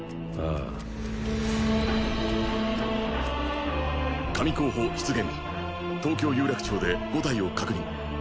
ああ・神候補出現東京有楽町で５体を確認